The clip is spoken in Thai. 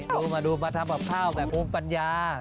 ดูมาดูมาทำกับข้าวแบบภูมิปัญญา